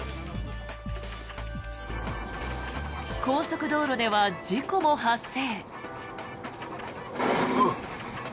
高速道路では事故も発生。